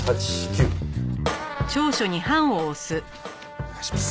お願いします。